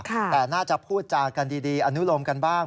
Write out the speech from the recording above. แต่น่าจะพูดจากันดีอนุโลมกันบ้าง